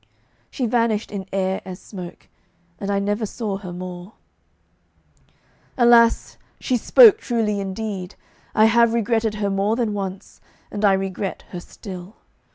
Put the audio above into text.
She vanished in air as smoke, and I never saw her more. Alas! she spoke truly indeed. I have regretted her more than once, and I regret her still.